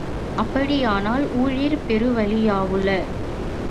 அப்படியானால் ஊழிற் பெருவலியாவுள?